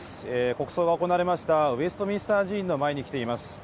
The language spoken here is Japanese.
国葬が行われました、ウェストミンスター寺院の前に来ています。